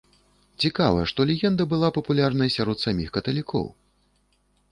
Цікава, што легенда была папулярнай сярод саміх каталікоў.